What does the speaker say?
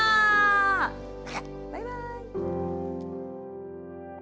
バイバーイ。